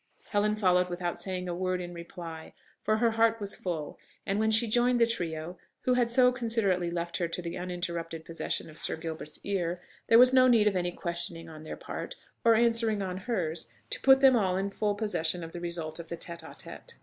Helen followed without saying a word in reply, for her heart was full; and when she joined the trio who had so considerately left her to the uninterrupted possession of Sir Gilbert's ear, there was no need of any questioning on their part, or answering on hers, to put them all in full possession of the result of the tête à tête.